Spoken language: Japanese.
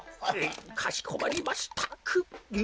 かしこまりました。